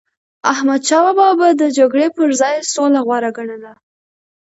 احمدشاه بابا به د جګړی پر ځای سوله غوره ګڼله.